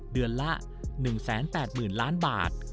เดือนละ๑๘๐๐๐ล้านบาท